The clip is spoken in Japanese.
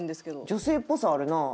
女性っぽさあるなあ。